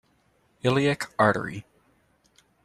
Iliac artery.